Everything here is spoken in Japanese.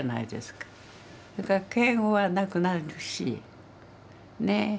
それから敬語はなくなるしね。